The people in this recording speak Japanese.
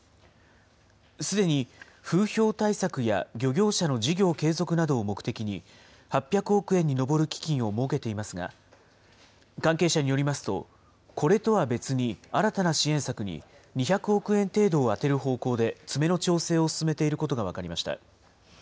すでに風評対策や漁業者の事業継続などを目的に、８００億円に上る基金を設けていますが、関係者によりますと、これとは別に新たな支援策に２００億円程度を充てる方向で詰めの調整を進めていることが分かりました。